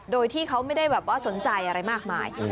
โดยที่เขาไม่ได้สนใจอะไรมากมาย